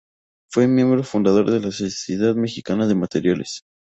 Fue miembro fundador de la Sociedad Mexicana de Materiales.